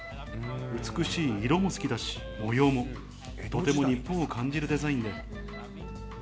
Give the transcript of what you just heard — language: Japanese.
美しい色も好きだし、模様もとても日本を感じるデザインで。